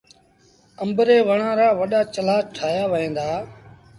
آݩب ري وڻآݩ رآوڏآ چلآ ٺآهيآ وهيݩ دآ۔